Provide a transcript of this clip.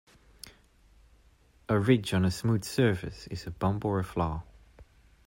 A ridge on a smooth surface is a bump or flaw.